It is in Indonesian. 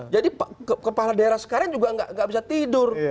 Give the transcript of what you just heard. jadi kepala daerah sekarang juga nggak bisa tidur